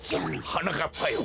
はなかっぱよ